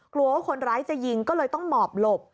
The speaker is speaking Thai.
กลัวว่าคนร้ายจะยิงก็เลยต้องหมอบหลบ